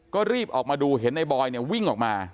ก็รีบออกมาดูเห็นไอ้บอยวิ่งออกมา